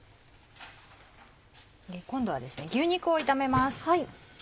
今度は牛肉を炒めます。